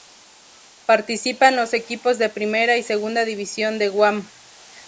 Participan los equipos de primera y segunda división de Guam.